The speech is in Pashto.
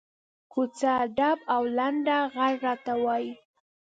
کوڅه ډب او لنډه غر راته وایي.